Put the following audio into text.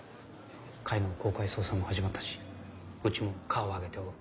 甲斐の公開捜査も始まったしうちも課を挙げて追う。